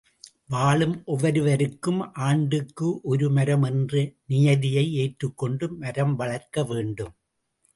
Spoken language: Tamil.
வாழும் ஒவ்வொருவருக்கும் ஆண்டுக்கு ஒரு மரம் என்ற நியதியை ஏற்றுக்கொண்டு மரம் வளர்க்க வேண்டும்.